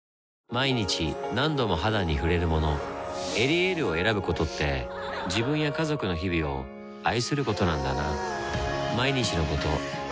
毎日何度も肌に触れるもの「エリエール」を選ぶことって自分や家族の日々を愛することなんだなぁ